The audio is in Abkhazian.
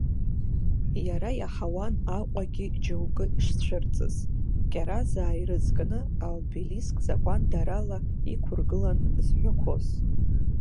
Иара иаҳауан Аҟәагьы џьоукы шцәырҵыз, кьаразаа ирызкны аобелиск закәандарала иқәыргылан зҳәақәоз.